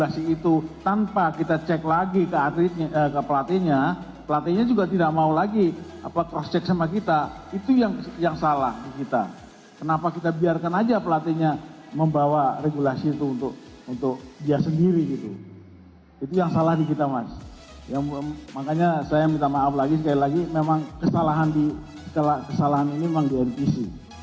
saya minta maaf lagi sekali lagi memang kesalahan ini memang di npc